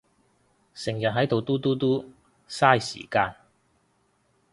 成日係到嘟嘟嘟，晒時間